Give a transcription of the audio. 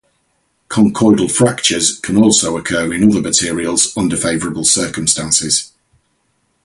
Conchoidal fractures can also occur in other materials under favorable circumstances.